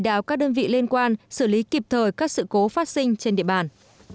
an toàn xử lý kịp thời các sự cố phát sinh trên địa bàn